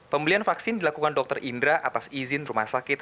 pembelian vaksin dilakukan dr indra atas izin rumah sakit